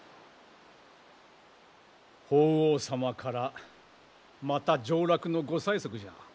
法皇様からまた上洛のご催促じゃ。